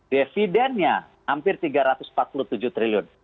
dividennya hampir rp tiga ratus empat puluh tujuh triliun